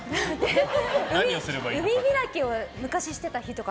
海開きを昔してた日とか。